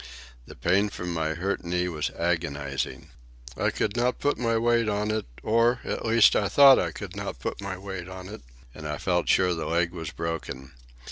The pain from my hurt knee was agonizing. I could not put my weight on it, or, at least, I thought I could not put my weight on it; and I felt sure the leg was broken.